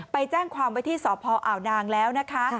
ไปแจ้งความไว้ที่สพอ่าวนางแล้วนะคะ